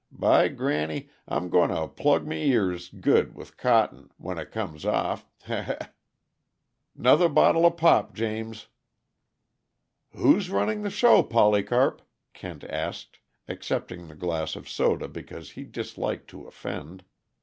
By granny, I'm going to plug m' ears good with cotton when it comes off he he! 'Nother bottle of pop, James." "Who's running the show, Polycarp?" Kent asked, accepting the glass of soda because he disliked to offend.